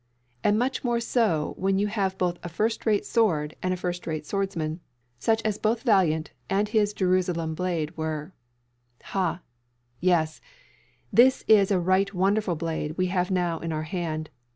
And much more so when you have both a first rate sword and a first rate swordsman, such as both Valiant and his Jerusalem blade were. Ha! yes. This is a right wonderful blade we have now in our hand.